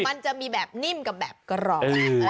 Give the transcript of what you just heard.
มันจะมีแบบนิ่มกับแบบกรอบ